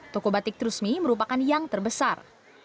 toko batik trusmi merupakan yang terbesar